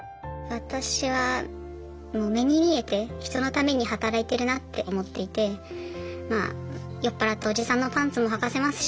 私はもう目に見えて人のために働いてるなって思っていてまあ酔っ払ったおじさんのパンツもはかせますし。